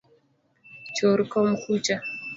Chor kom kucha